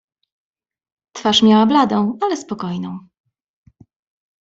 "Twarz miała bladą, ale spokojną."